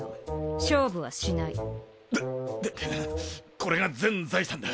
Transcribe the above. これが全財産だ。